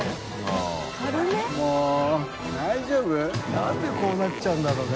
何でこうなっちゃうんだろうね。